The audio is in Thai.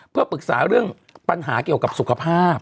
เพื่อปรึกษาเรื่องปัญหาเกี่ยวกับสุขภาพ